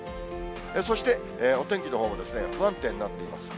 そしてお天気のほうも不安定になっています。